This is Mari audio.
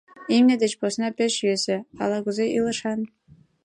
Имне деч посна пеш йӧсӧ, ала-кузе илышан!?